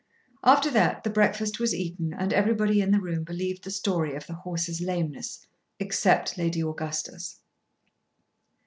After that the breakfast was eaten and everybody in the room believed the story of the horse's lameness except Lady Augustus.